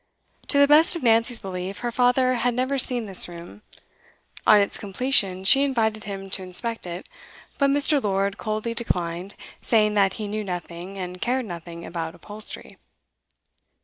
To the best of Nancy's belief, her father had never seen this room. On its completion she invited him to inspect it, but Mr. Lord coldly declined, saying that he knew nothing, and cared nothing, about upholstery.